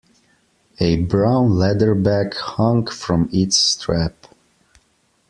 A brown leather bag hung from its strap.